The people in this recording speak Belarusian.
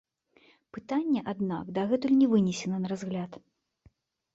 Пытанне, аднак, дагэтуль не вынесена на разгляд.